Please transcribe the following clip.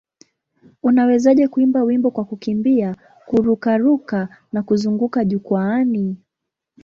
Unawezaje kuimba wimbo kwa kukimbia, kururuka na kuzunguka jukwaani?